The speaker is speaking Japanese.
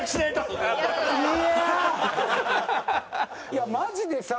いやマジでさ